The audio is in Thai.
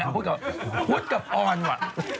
พุทธกับอ่อนว่ะ